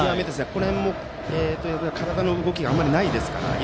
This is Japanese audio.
この辺も体の動きがないですから。